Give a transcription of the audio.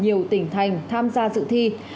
nhiều tỉnh thành tham gia sự thi